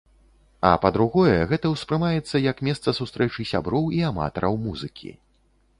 А па-другое, гэта ўспрымаецца як месца сустрэчы сяброў і аматараў музыкі.